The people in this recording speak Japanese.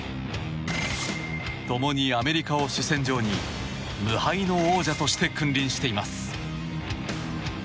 共に、アメリカを主戦場に無敗の王者として君臨しています。